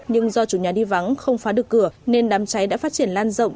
nhưng do chủ nhà đi vắng không phá được cửa nên đám cháy đã phát triển lan rộng